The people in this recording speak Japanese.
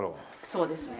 そうですね。